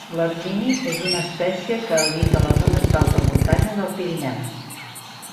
L'ermini és una espècie que habita les zones d'alta muntanya del Pirineu.